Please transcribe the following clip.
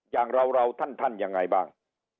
อย่างเราท่านยังไงบ้าง